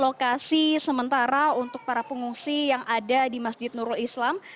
lokasi sementara untuk para pengungsi yang ada di masjid nurul islam